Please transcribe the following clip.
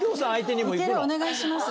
お願いします。